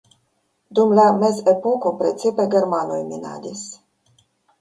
Dum la mezepoko precipe germanoj minadis.